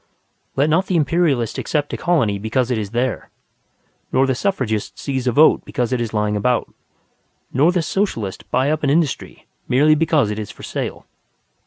Let not the Imperialist accept a colony because it is there, nor the Suffragist seize a vote because it is lying about, nor the Socialist buy up an industry merely because it is for sale.